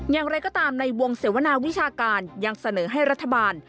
อย่างไรก็ตามในวงเสวนาวิชาการยังเสนอให้รัฐบาล